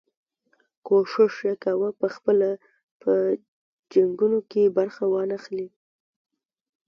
کوښښ یې کاوه پخپله په جنګونو کې برخه وانه خلي.